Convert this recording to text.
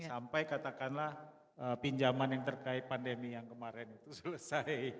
sampai katakanlah pinjaman yang terkait pandemi yang kemarin itu selesai